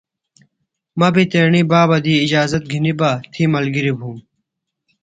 مہ بیۡ تیݨی بابہ دی اجازت گِھنیۡ بہ تھی ملگِریۡ بُھوم۔